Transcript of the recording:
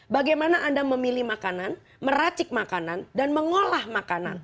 bagaimana anda memilih makanan meracik makanan dan mengolah makanan